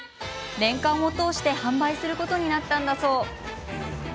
年間を通して販売することになったんだそう。